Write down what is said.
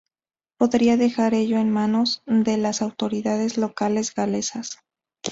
Podría "dejar ello en manos de las autoridades locales galesas".